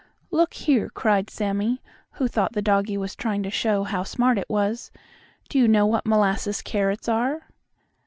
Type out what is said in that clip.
"Look here!" cried Sammie, who thought the doggie was trying to show how smart it was, "do you know what molasses carrots are?"